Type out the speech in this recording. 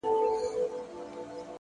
ما ويل وېره مي پر زړه پرېوته”